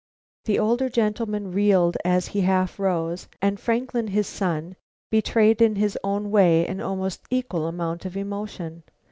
The older gentleman reeled as he half rose, and Franklin, his son, betrayed in his own way an almost equal amount of emotion.